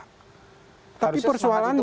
harusnya semangat itu